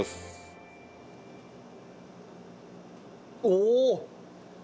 おお！